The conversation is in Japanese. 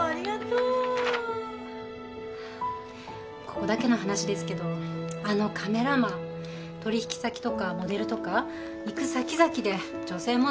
ここだけの話ですけどあのカメラマン取引先とかモデルとか行く先々で女性問題起こしてるらしいですよ。